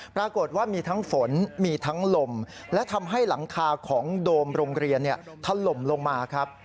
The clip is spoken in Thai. ปรากฏว่ามีทั้งฝนมีทั้งลมและทำให้หลังคาของโดมโรงเรียนถล่มลงมาครับ